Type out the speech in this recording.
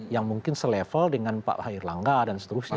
yang mungkin selevel dengan pak hairlangga dan seterusnya